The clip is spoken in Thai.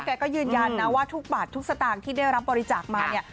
แกก็ยืนยันนะว่าทุกบาททุกสตางค์ที่ได้รับบริจาคมาเนี่ย